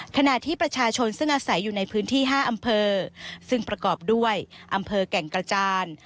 ขณะที่ประชาชนซึ่งอาศัยอยู่ในพื้นที่๕อำเภอซึ่งประกอบด้วยอำเภอแก่งกระจาน